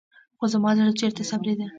خو زما زړه چېرته صبرېده.